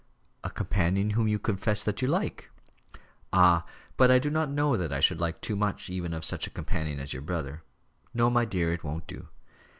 "A companion whom you confess that you like." "Ah! but I don't know that I should like too much even of such a companion as your brother. No, my dear it won't do.